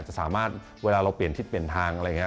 จะสามารถเวลาเราเปลี่ยนทิศเปลี่ยนทางอะไรอย่างนี้